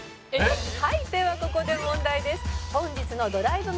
「はいではここで問題です」